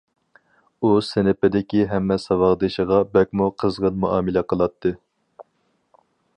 ئۇ سىنىپىدىكى ھەممە ساۋاقدىشىغا بەكمۇ قىزغىن مۇئامىلە قىلاتتى.